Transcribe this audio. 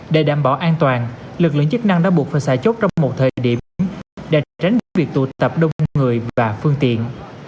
để đảm bảo an toàn lực lượng chức năng đã buộc phải xài chốt trong một thời điểm để tránh được việc tụ tập đông người và phương tiện